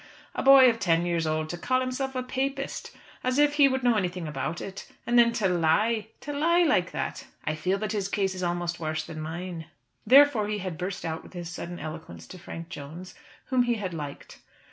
A boy of ten years old to call himself a Papist, as if he would know anything about it. And then to lie, to lie like that! I feel that his case is almost worse than mine." Therefore he had burst out with his sudden eloquence to Frank Jones, whom he had liked.